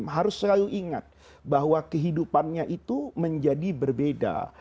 jadi kita harus selalu ingat bahwa kehidupannya itu menjadi berbeda